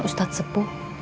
dan ustadz seppo